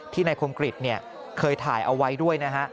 นายคมกริจเคยถ่ายเอาไว้ด้วยนะฮะ